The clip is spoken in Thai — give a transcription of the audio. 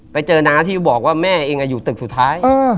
ไปเจอน้าที่บอกว่าแม่เองอยู่ตึกสุดท้าย